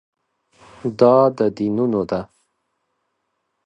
دا د دینونو ده.